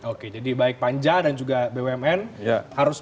oke jadi baik panja dan juga bumn harus